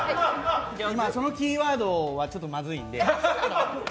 そのキーワードはちょっとまずいので。